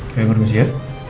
oke ngerti ngerti ya